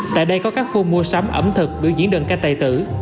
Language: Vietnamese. tại đây có các khu mua sắm ẩm thực biểu diễn đơn ca tài tử